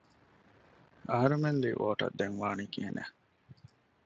އަހަރެމެން ލީ ވޯޓަށް ދެން ވާނީ ކިހިނެއް؟